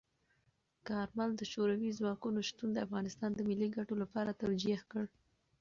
کارمل د شوروي ځواکونو شتون د افغانستان د ملي ګټو لپاره توجیه کړ.